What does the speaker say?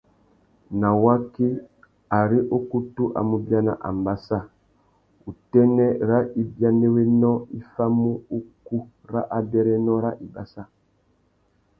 Nà waki, ari ukutu a mú biana ambassa, utênê râ ibianéwénô i famú ukú râ abérénô râ ibassa.